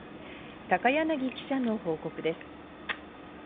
高柳記者の報告です。